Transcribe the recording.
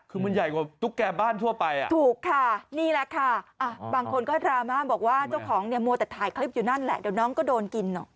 คือมันใหญ่กว่าตุ๊กแก่บ้านทั่วไปอ่ะถูกค่ะนี่แหละค่ะบางคนก็ดราม่าบอกว่าเจ้าของเนี่ยมัวแต่ถ่ายคลิปอยู่นั่นแหละเดี๋ยวน้องก็โดนกิน